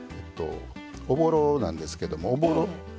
おぼろなんですけどもおぼろ。